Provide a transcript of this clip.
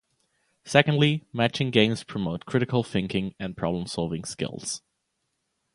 Secondly, matching games promote critical thinking and problem-solving skills.